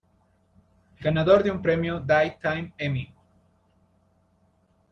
Ganador de un Premio Daytime Emmy.